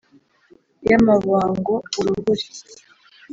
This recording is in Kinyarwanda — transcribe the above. y’amabango uruhuri